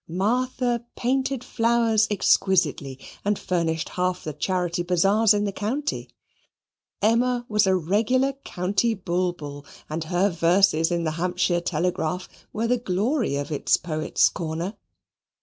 Martha painted flowers exquisitely and furnished half the charity bazaars in the county. Emma was a regular County Bulbul, and her verses in the Hampshire Telegraph were the glory of its Poet's Corner.